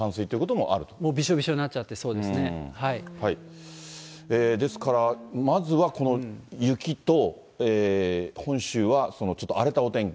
もうびしょびしょになっちゃって、ですから、まずはこの雪と、本州はちょっと荒れたお天気。